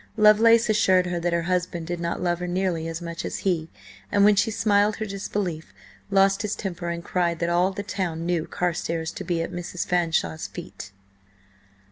Lovelace assured her that her husband did not love her nearly as much as he, and when she smiled her disbelief, lost his temper and cried that all the town knew Carstares to be at Mrs. Fanshawe's feet!